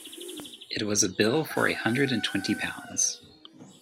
It was a bill for a hundred and twenty pounds.